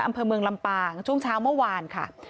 อำเภอเมืองลำปางช่วงเช้าเมื่อวานค่ะ